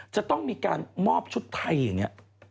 จะต้องมีการมอบชุดไทย